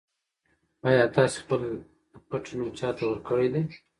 ایا تاسي خپل پټنوم چا ته ورکړی دی؟